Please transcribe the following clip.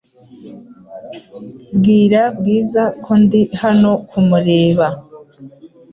Bwira Bwiza ko ndi hano kumureba .